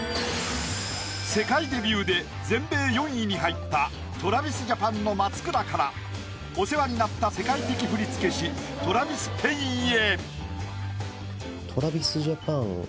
世界デビューで全米４位に入ったＴｒａｖｉｓＪａｐａｎの松倉からお世話になった世界的振付け師トラヴィス・ペインへ。